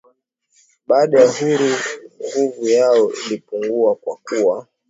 Baada ya uhuru nguvu yao ilipungua kwa kuwa